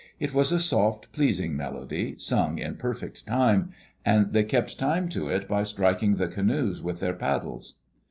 It was a soft, pleasing melody, sung in perfect time, and they kept time to it by striking the canoes with their paddles.